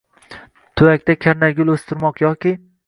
Tuvakda karnaygul oʼstirmoq, yoki